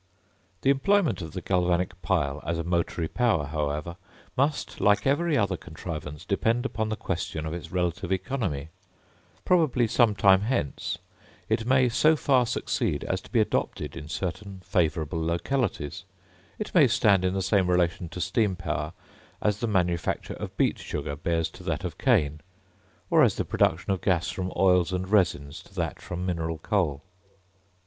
The employment of the galvanic pile as a motory power, however, must, like every other contrivance, depend upon the question of its relative economy: probably some time hence it may so far succeed as to be adopted in certain favourable localities; it may stand in the same relation to steam power as the manufacture of beet sugar bears to that of cane, or as the production of gas from oils and resins to that from mineral coal.